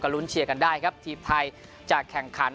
ลุ้นเชียร์กันได้ครับทีมไทยจะแข่งขัน